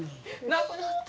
なくなった。